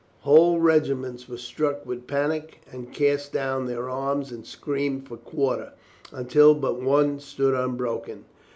Whole regiments were struck with panic and cast down their arms and screamed for quarter, until but one stood unbroken.